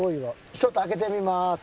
ちょっと開けてみます。